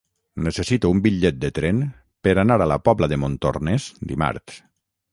Necessito un bitllet de tren per anar a la Pobla de Montornès dimarts.